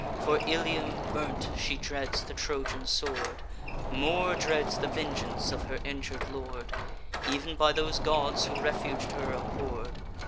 For Ilium burnt, she dreads the Trojan sword; More dreads the vengeance of her injur'd lord; Ev'n by those gods who refug'd her abhorr'd.